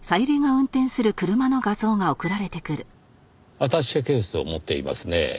アタッシェケースを持っていますねぇ。